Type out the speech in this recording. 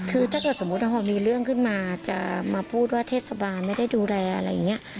คือถ้าเกิดสมมุติพอมีเรื่องขึ้นมาจะมาพูดว่าเทศบาลไม่ได้ดูแลอะไรอย่างนี้